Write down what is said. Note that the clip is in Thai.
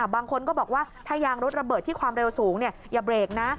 บางคนก็บอกว่าถ้ายางรถระเบิดที่ความเร็วสูงอย่าเบรกนะ